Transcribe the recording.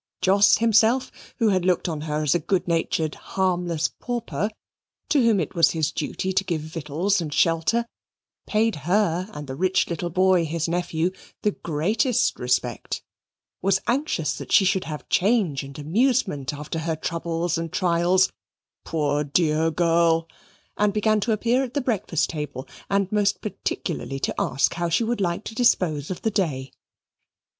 Jos himself, who had looked on her as a good natured harmless pauper, to whom it was his duty to give victuals and shelter, paid her and the rich little boy, his nephew, the greatest respect was anxious that she should have change and amusement after her troubles and trials, "poor dear girl" and began to appear at the breakfast table, and most particularly to ask how she would like to dispose of the day.